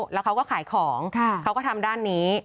แล้วเขาก็ขายของเขาก็ทำด้านนี้